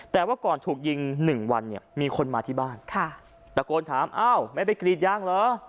แต่ว่าก่อนถูกยิงหนึ่งวันเนี่ยมีคนมาที่บ้านค่ะตะโกนถามอ้าวไม่ไปกรีดยางเหรอ